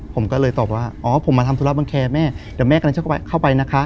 ผมก็เลยตอบว่าอ๋อผมมาทำธุระบังแคร์แม่เดี๋ยวแม่กำลังจะเข้าไปนะคะ